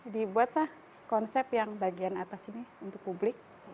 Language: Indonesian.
dibuatlah konsep yang bagian atas ini untuk publik